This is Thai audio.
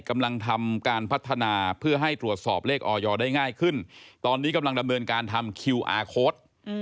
กำลังทำการพัฒนาเพื่อให้ตรวจสอบเลขออยได้ง่ายขึ้นตอนนี้กำลังดำเนินการทำคิวอาร์โค้ด